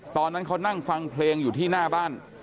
ตอนนั้นเขานั่งฟังเพลงอยู่ที่หน้าบ้าน